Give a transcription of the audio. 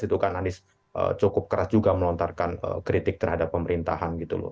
itu kan anies cukup keras juga melontarkan kritik terhadap pemerintahan gitu loh